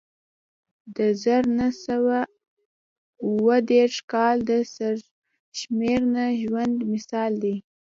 د زر نه سوه اووه دېرش کال سرشمېرنه ژوندی مثال دی